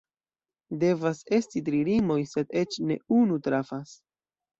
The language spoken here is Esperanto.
Devas esti tri rimoj, sed eĉ ne unu trafas.